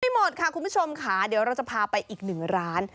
หมดค่ะคุณผู้ชมค่ะเดี๋ยวเราจะพาไปอีกหนึ่งร้าน